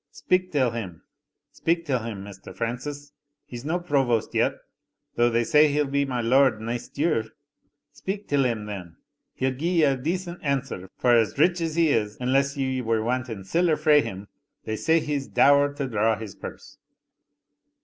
"Speak till him speak till him, Mr. Francis he's no provost yet, though they say he'll be my lord neist year. Speak till him, then he'll gie ye a decent answer for as rich as he is, unless ye were wanting siller frae him they say he's dour to draw his purse."